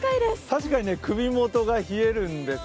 確かに首元が冷えるんです。